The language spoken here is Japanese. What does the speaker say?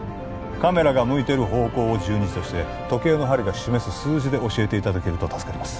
カメラが向いてる方向を１２時として時計の針が示す数字で教えていただけると助かります